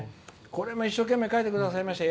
これも一生懸命描いてくださいました。